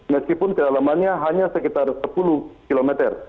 meskipun kedalamannya hanya sekitar sepuluh km